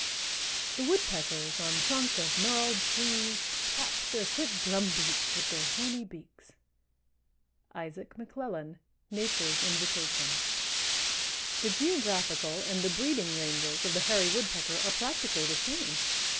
_) The woodpeckers on trunk of gnarled trees Tap their quick drum beats with their horny beaks. —Isaac McLellan, "Nature's Invitation." The geographical and the breeding ranges of the Hairy Woodpecker are practically the same.